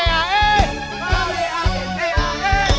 berlatih setiap hari